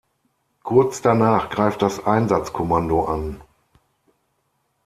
Kurz danach greift das Einsatzkommando an.